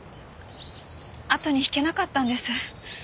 あとに引けなかったんです。